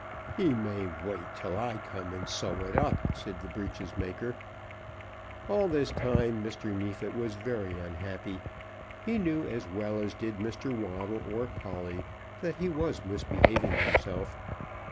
"He may wait till I come and sew it up," said the breeches maker. All this time Mr. Neefit was very unhappy. He knew, as well as did Mr. Waddle or Polly, that he was misbehaving himself.